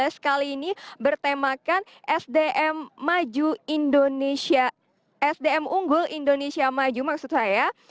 sekali ini bertemakan sdm maju indonesia sdm unggul indonesia maju maksud saya